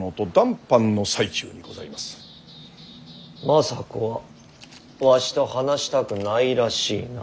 政子はわしと話したくないらしいな。